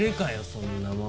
そんなもん。